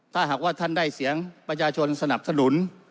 ถ้าหากว่าท่านได้เสียงประชาชนสนับสนุน